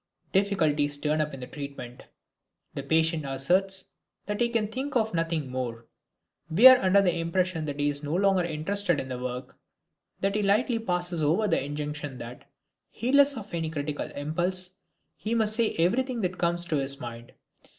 Difficulties turn up in the treatment. The patient asserts that he can think of nothing more. We are under the impression that he is no longer interested in the work, that he lightly passes over the injunction that, heedless of any critical impulse, he must say everything that comes to his mind.